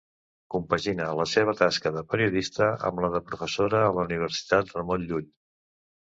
Compagina la seva tasca de periodista amb la de professora a la Universitat Ramon Llull.